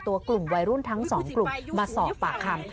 ตัวกลุ่มวัยรุ่นทั้งสองกลุ่มมาสอบปากคำ